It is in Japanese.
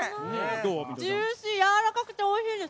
ジューシー、やわらかくておいしいです。